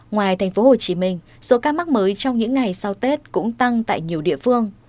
ngoài tp hcm số ca mắc mới trong những ngày sau tết cũng tăng tại nhiều địa phương